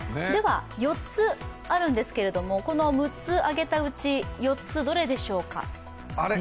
４つあるんですけど、この６つあげたうち、４つ、どれでしょうか。